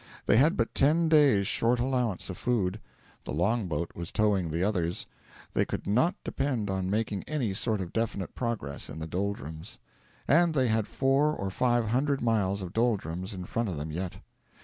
They had but ten days' short allowance of food; the long boat was towing the others; they could not depend on making any sort of definite progress in the doldrums, and they had four or five hundred miles of doldrums in front of them yet.